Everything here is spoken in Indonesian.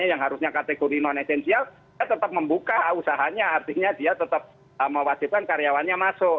misalnya karyawan itu di cadangan ternyata di titik yang ditekan bahwa saya tetap membuka usahanya artinya dia tetap mewasipkan karyawannya masuk